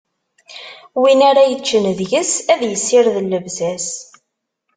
Win ara yeččen deg-s, ad issired llebsa-s.